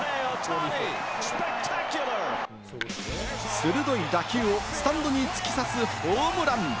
鋭い打球をスタンドに突き刺すホームラン。